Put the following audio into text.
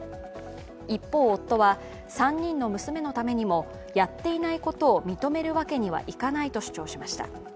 一方、夫は、３人の娘のためにもやっていないことを認めるわけにはいかないと主張しました。